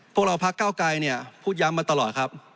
พวกเราพักเก้าไกรเนี่ยพูดย้ำมาตลอดครับ